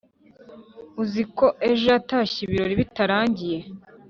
uziko ejo yatashye ibirori bitarangiye"